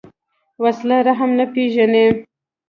وسله رحم نه پېژني